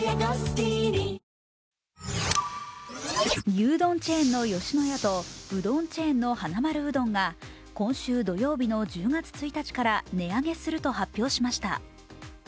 牛丼チェーンの吉野家とうどんチェーンのはなまるうどんが今週土曜日の１０月１日から値上げすると発表しました。